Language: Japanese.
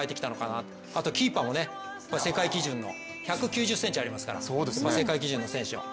あとキーパーも１９０ｃｍありますから世界基準の選手を。